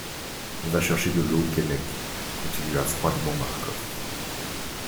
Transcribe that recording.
Va chercher de l'eau, Keinec, continua froidement Marcof.